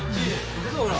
行くぞほら。